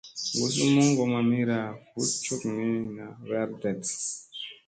Gusu moŋgo mamira vuɗ cuknini naa werɗeɗ.